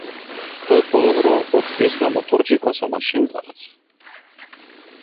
Што е подобро од бесна моторџика со машинка?